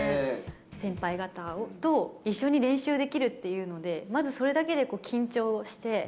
先輩方と一緒に練習できるというので、まずそれだけで緊張をして。